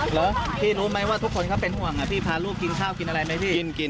เหรอพี่รู้ไหมว่าทุกคนเขาเป็นห่วงพี่พาลูกกินข้าวกินอะไรไหมพี่กิน